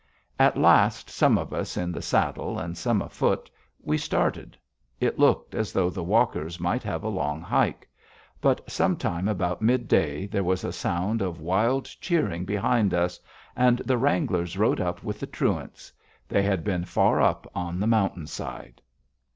At last, some of us in the saddle and some afoot, we started. It looked as though the walkers might have a long hike. But sometime about midday there was a sound of wild cheering behind us, and the wranglers rode up with the truants. They had been far up on the mountain side.